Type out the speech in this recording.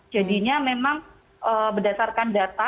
jadinya memang berdasarkan data